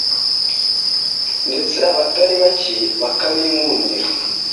ndetse abatari bake bakabinkundira.